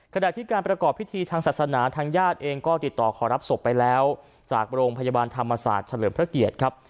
ขณะที่การประกอบพิธีทางศาสนาทางญาติเองก็ติดต่อขอรับศพไปแล้วจากโรงพยาบาลธรรมศาสตร์เฉลิมพระเกียรติครับ